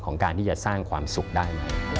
การที่จะสร้างความสุขได้ไหม